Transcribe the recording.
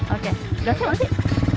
oke silahkan nyala